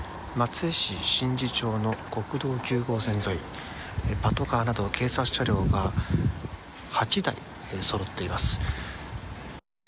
松江市宍道町の国道９号線沿いにパトカーなど警察車両が８台そろっています。